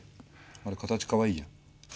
あれ形かわいいじゃん。